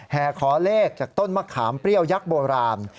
ขอเลขจากต้นมะขามเปรี้ยวยักษ์โบราณ